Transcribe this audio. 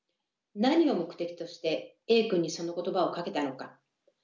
何を目的としてＡ君にその言葉をかけたのか？